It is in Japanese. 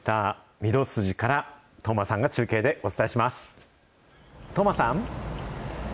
御堂筋から當麻さんが中継でお伝えします。